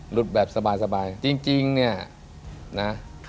แบบสบายจริงเนี่ยนะ